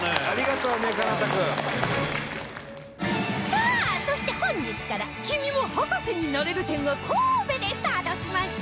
さあそして本日から「君も博士になれる展」が神戸でスタートしました！